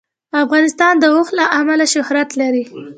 افغانستان د اوښ له امله شهرت لري.